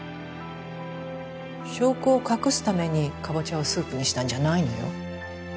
証拠を隠すためにカボチャをスープにしたんじゃないのよ。